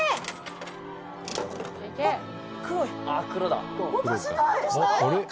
「えっ？」